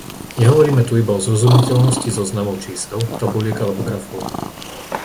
Nehovoríme tu iba o zrozumiteľnosti zoznamov čísel, tabuliek alebo grafov.